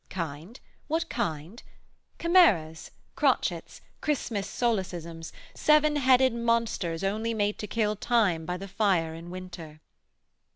Kind? what kind? Chimeras, crotchets, Christmas solecisms, Seven headed monsters only made to kill Time by the fire in winter.'